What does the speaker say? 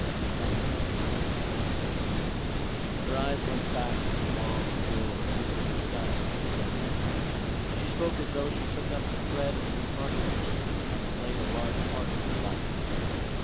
"That can't go on," she said. Her eyes went back to the long, low, undulating skyline of the downs. She spoke as though she took up the thread of some controversy that had played a large part in her life.